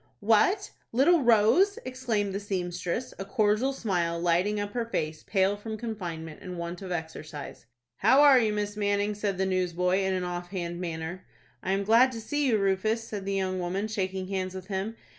"What, little Rose!" exclaimed the seamstress, a cordial smile lighting up her face, pale from confinement and want of exercise. "How are you, Miss Manning?" said the newsboy, in an off hand manner. "I am glad to see you, Rufus," said the young woman, shaking hands with him.